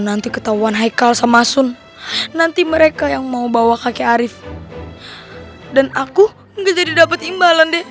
nanti ketahuan haikal sama sun nanti mereka yang mau bawa kakek arief dan aku enggak jadi dapat imbalan deh